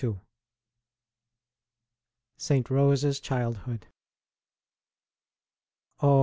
ST. ROSE S CHILDHOOD. Oh